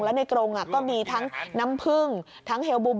แล้วในกรงก็มีทั้งน้ำผึ้งทั้งเฮลบุม